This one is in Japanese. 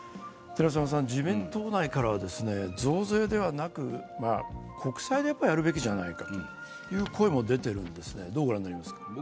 自民党内からは増税ではなく国債でやるべきじゃないかという声も出ていますが、どうご覧になりますか？